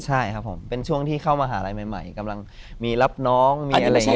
ใช่ครับผมเป็นช่วงที่เข้ามหาลัยใหม่กำลังมีรับน้องมีอะไรอย่างนี้